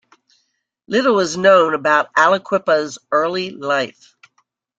Little is known about Aliquippa's early life.